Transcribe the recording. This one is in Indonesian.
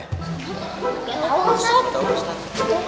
gak tau ustaz